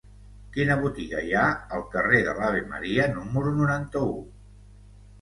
Quina botiga hi ha al carrer de l'Ave Maria número noranta-u?